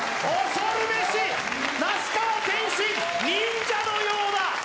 恐るべし、名須川天心、忍者のようだ！